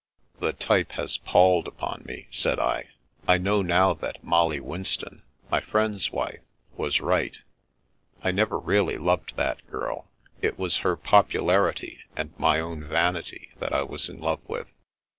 " The type has palled upon me," said I. " I know now that Molly Winston — ^my friend's wife— was right. I never really loved that girl. It was her popularity and my own vanity that I was in love with."